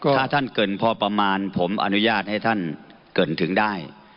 ถ้าท่านเกินพอประมาณผมอนุญาตให้ท่านเกินถึงได้